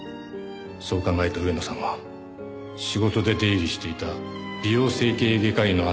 そう考えた上野さんは仕事で出入りしていた美容整形外科医のあなたに。